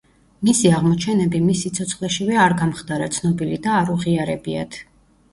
მისი აღმოჩენები მის სიცოცხლეშივე არ გამხდარა ცნობილი და არ უღიარებიათ.